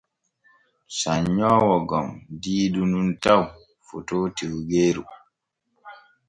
Sannyoowo gom diidu nun taw fotoo tiwggeeru.